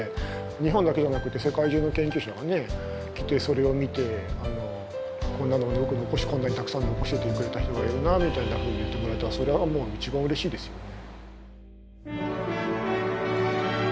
日本だけじゃなくて世界中の研究者が来てそれを見てこんなのよくこんなにたくさん残してくれた人がいるなみたいなふうに言ってもらえたらそれはもう一番うれしいですよね。